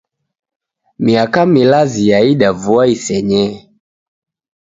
Miaka milazi yaida vua isenyee